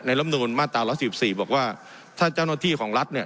ในลำนูลมาตรารสี่สิบสี่บอกว่าถ้าเจ้าหน้าที่ของรัฐเนี่ย